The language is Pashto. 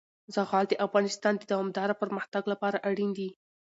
زغال د افغانستان د دوامداره پرمختګ لپاره اړین دي.